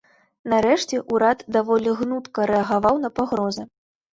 Нарэшце, урад даволі гнутка рэагаваў на пагрозы.